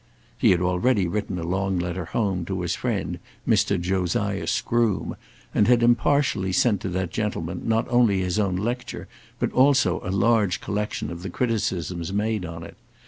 He had already written a long letter home to his friend Mr. Josiah Scroome, and had impartially sent to that gentleman not only his own lecture, but also a large collection of the criticisms made on it.